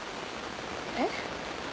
えっ？